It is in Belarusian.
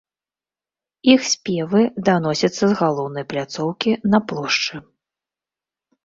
Іх спевы даносяцца з галоўнай пляцоўкі на плошчы.